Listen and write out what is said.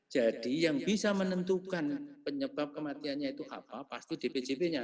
jadi yang bisa menentukan penyebab kematiannya itu apa pasti dpjp nya